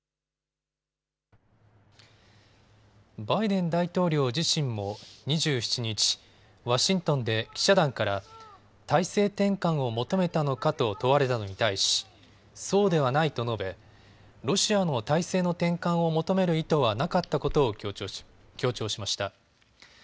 バイデン大統領自身も２７日、ワシントンで記者団から体制転換を求めたのかと問われたのに対しそうではないと述べ、ロシアの体制の転換を求める意図はなかったことを強調しました。